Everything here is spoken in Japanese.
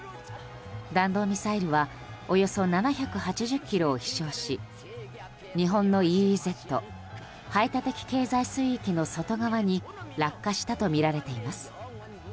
弾道ミサイルはおよそ７８０ｋｍを飛翔し日本のＥＥＺ・排他的経済水域の外側に落下したとみられています。